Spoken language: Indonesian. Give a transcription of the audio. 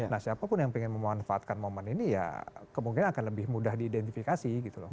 nah siapapun yang ingin memanfaatkan momen ini ya kemungkinan akan lebih mudah diidentifikasi gitu loh